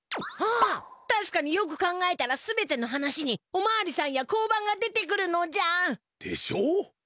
ああたしかによく考えたらすべての話におまわりさんや交番が出てくるのじゃ！でしょう？